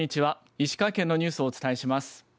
石川県のニュースをお伝えします。